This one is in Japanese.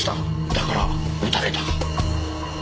だから撃たれた。